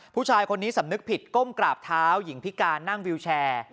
ผู้ชายคนนี้สำนึกผิดก้มกราบเท้าหญิงพิการนั่งวิวแชร์